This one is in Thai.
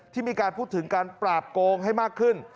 ที่มีการพูดถึงการปราบโกงให้มากขึ้น